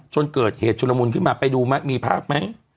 จนเกิดเหตุชุลมุนขึ้นมาไปดูไหมมีภาพไหม